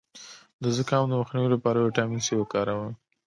د زکام د مخنیوي لپاره ویټامین سي وکاروئ